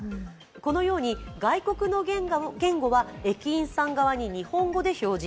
このように外国の言語は駅員さん側に日本語で表示。